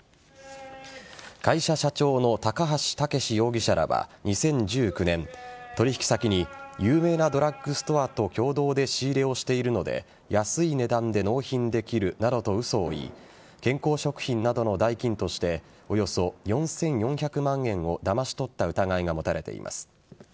会社社長の高橋武士容疑者らは２０１９年取引先に有名なドラッグストアと共同で仕入れをしているので安い値段で納品できるなどと嘘を言い健康食品などの代金としておよそ４４００万円をだまし取った疑いが持たれています。